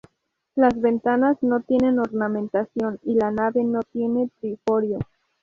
Las ventanas no tienen ornamentación, y la nave no tiene triforio.